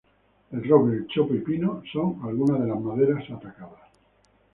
El roble, el chopo y pino son algunas de las maderas atacadas.